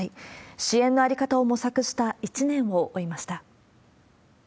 支援の在り方を模索した１年を追いました。